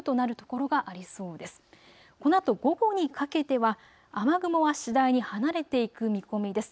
このあと午後にかけては雨雲は次第に離れていく見込みです。